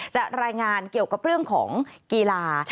รายงานเกี่ยวกับเรื่องของกีฬา